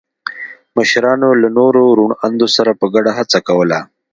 مشرانو له نورو روڼ اندو سره په ګډه هڅه کوله.